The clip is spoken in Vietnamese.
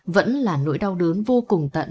vẫn là nỗi đau đớn vô cùng tận